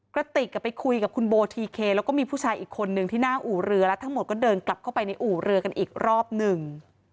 กระติกไปคุยกับคุณโบทีเคแล้วก็มีผู้ชายอีกคนนึงที่หน้าอู่เรือแล้วทั้งหมดก็เดินกลับเข้าไปในอู่เรือกันอีกรอบหนึ่ง